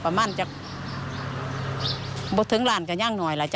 ประมาณจะไม่ถึงร้านกันยังหน่อยล่ะจ๊ะ